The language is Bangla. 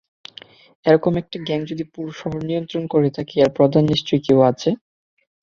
এরকম একটা গ্যাং যদি পুরো শহর নিয়ন্ত্রণ করে থাকে এর প্রধান নিশ্চয়ই কেউ আছে।